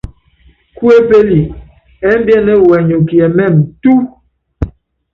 Kuépéli ɛ́mbiɛ́nɛ́ wɛnyɔk kiɛmɛ́m túu.